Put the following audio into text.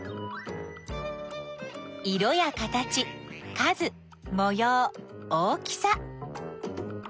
色や形数もよう大きさ。